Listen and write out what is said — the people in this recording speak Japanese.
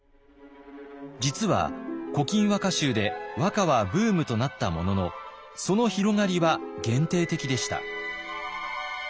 実は「古今和歌集」で和歌はブームとなったもののその広がりは限定的でした。